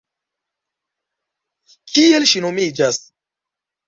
Kiel ŝi nomiĝas?